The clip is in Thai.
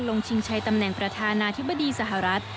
ชิงชัยตำแหน่งประธานาธิบดีสหรัฐ